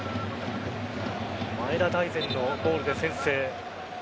前田大然のゴールで先制。